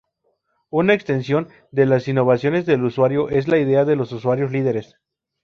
Una extensión de las innovaciones del usuario es la idea de los usuarios líderes.